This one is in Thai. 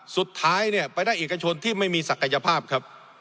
สุดท้ายเนี่ยไปได้เอกชนที่ไม่มีศักยภาพครับ